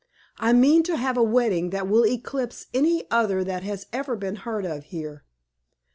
I mean to have a wedding that will eclipse any other that has ever been heard of here.